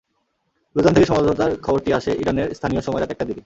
লুজান থেকে সমঝোতার খবরটি আসে ইরানের স্থানীয় সময় রাত একটার দিকে।